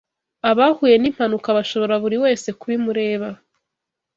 abahuye n'impanuka bashobora buri wese kubimureba